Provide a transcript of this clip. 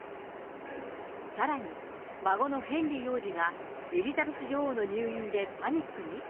さらに孫のヘンリー王子がエリザベス女王の入院でパニックに？